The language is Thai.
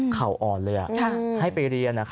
เขาอ่อนเลยให้ไปเรียน